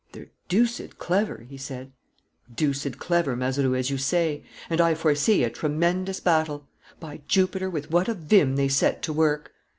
"They're deuced clever," he said. "Deuced clever, Mazeroux, as you say; and I foresee a tremendous battle. By Jupiter, with what a vim they set to work!"